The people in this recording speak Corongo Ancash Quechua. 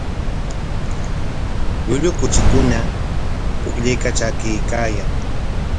Llullu kuchikuna pukllaykatraykaayan.